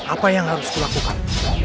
apa yang harus kulakukan